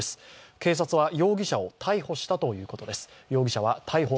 警察は容疑者を逮捕したということです。